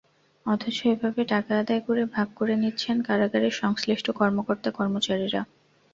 অথচ এভাবে টাকা আদায় করে ভাগ করে নিচ্ছেন কারাগারের সংশ্লিষ্ট কর্মকর্তা-কর্মচারীরা।